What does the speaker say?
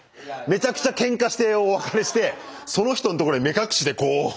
めちゃくちゃけんかしてお別れしてその人のところに目隠しでこう。